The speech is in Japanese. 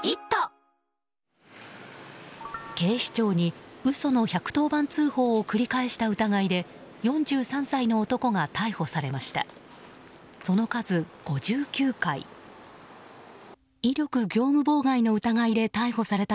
警視庁に、嘘の１１０番通報を繰り返した疑いで４３歳の男が逮捕されました。